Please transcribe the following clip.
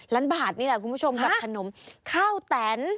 ล้านบาทนี่แหละคุณผู้ชมกับขนมข้าวแตน